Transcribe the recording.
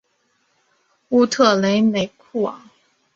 乌特雷梅库尔。